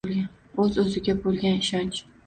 «O‘z-o‘ziga bo‘lgan ishonch»